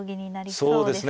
そうですね。